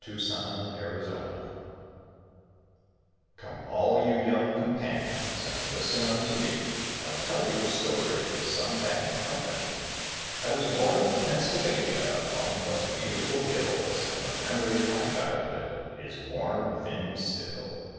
YOUNG COMPANIONS Come all you young companions And listen unto me, I'll tell you a story Of some bad company. I was born in Pennsylvania Among the beautiful hills And the memory of my childhood Is warm within me still.